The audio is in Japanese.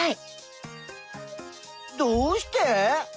どうして？